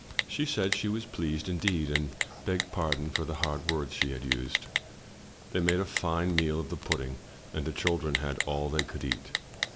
She said she was pleased indeed, and begged pardon for the hard words she had used. They made a fine meal of the pudding, and the children had all they could eat.